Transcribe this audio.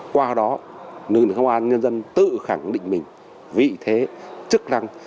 qua đó người công an nhân dân tự khẳng định mình vị thế chức năng